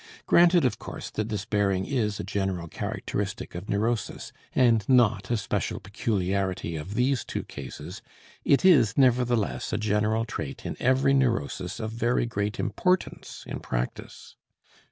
Granted of course that this bearing is a general characteristic of neurosis, and not a special peculiarity of these two cases, it is nevertheless a general trait in every neurosis of very great importance in practice.